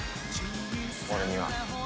俺には。